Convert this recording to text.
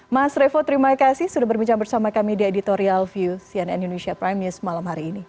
mas revo terima kasih sudah berbincang bersama kami di editorial view cnn indonesia prime news malam hari ini